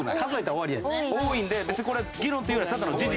多いんで別にこれ議論というよりはただの事実。